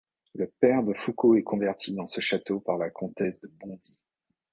Le père de Foucauld est converti dans ce château par la comtesse de Bondy.